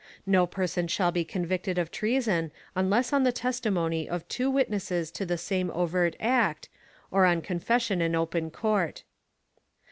No person shall be convicted of treason unless on the testimony of two witnesses to the same overt act, or on confession in open court.